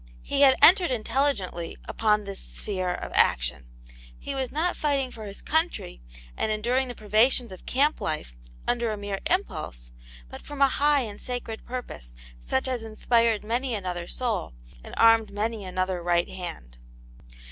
He had entered intelligently upon this sphere of action ; he was not fighting for his country and enduring the privations of camp life under a mere impulse, but from a high and sacred purpose such as inspired many another soul, and armed many another right hand.